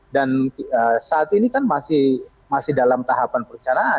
dan saat ini kan masih dalam tahapan percaraan